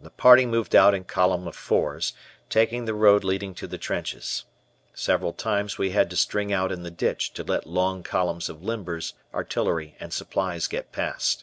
The party moved out in column of fours, taking the road leading to the trenches. Several times we had to string out in the ditch to let long columns of limbers, artillery, and supplies get past.